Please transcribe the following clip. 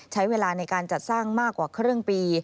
ใช้เวลาในการจัดสร้างมากกว่าครึ่งปี